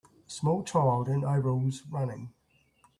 A small child in overalls running.